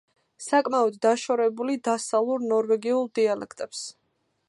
საკმაოდ დაშორებული დასავლურ ნორვეგიულ დიალექტებს.